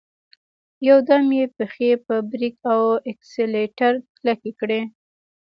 يودم يې پښې په بريک او اکسلېټر کلکې کړې.